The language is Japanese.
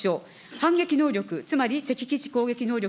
反撃能力、つまり敵基地攻撃能力